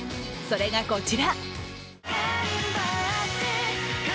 それがこちら。